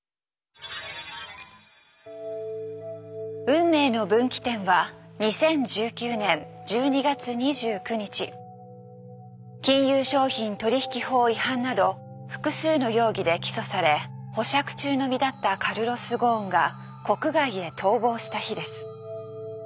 運命の分岐点は金融商品取引法違反など複数の容疑で起訴され保釈中の身だったカルロス・ゴーンが国外へ逃亡した日です。